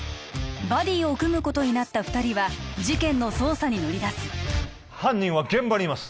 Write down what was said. バディを組むことになった二人は事件の捜査に乗り出す犯人は現場にいます